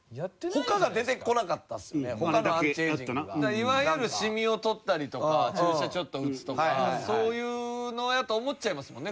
いわゆるシミを取ったりとか注射ちょっと打つとかそういうのやと思っちゃいますもんね